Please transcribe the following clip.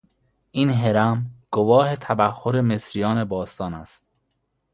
این هرم گواه تبحر مصریان باستان است.